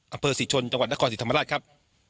อำเภอศรีชนจังหวัดนครศรีธรรมราชครับ